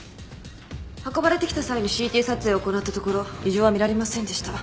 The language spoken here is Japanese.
運ばれてきた際にＣＴ撮影を行ったところ異常は見られませんでした。